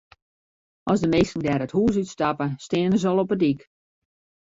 As de minsken dêr it hûs út stappe, stean se al op de dyk.